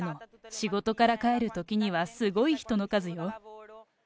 仕事から帰るときにはすごい人の数よ。